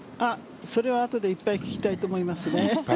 それはあとでいっぱい聞きたいと思います。